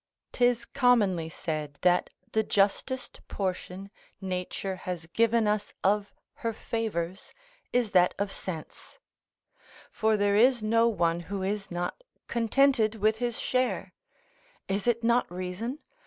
'Tis commonly said that the justest portion Nature has given us of her favours is that of sense; for there is no one who is not contented with his share: is it not reason?